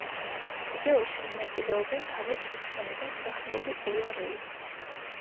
ვიდეოში მონაწილეობენ თავად ჯექსონი და მსახიობი ოლა რეი.